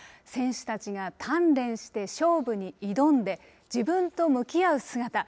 選手たちが鍛錬して勝負に挑んで、自分と向き合う姿。